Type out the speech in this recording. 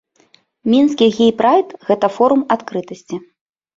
Мінскі гей-прайд гэта форум адкрытасці.